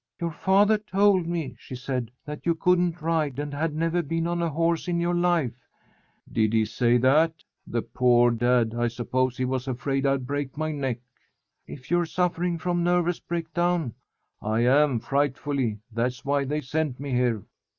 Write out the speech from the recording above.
"Your father told me," she said, "that you couldn't ride and had never been on a horse in your life." "Did he say that? The poor dad! I suppose he was afraid I'd break my neck." "If you're suffering from nervous breakdown " "I am. Frightfully. That's why they sent me here."